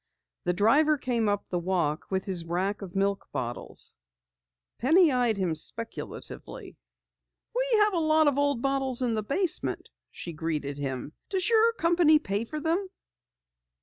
The driver came up the walk with his rack of milk bottles. Penny eyed him speculatively. "We have a lot of old bottles in the basement," she greeted him. "Does your company pay for them?"